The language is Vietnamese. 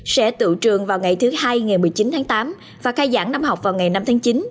sẽ tự trường vào ngày thứ hai ngày một mươi chín tháng tám và khai giảng năm học vào ngày năm tháng chín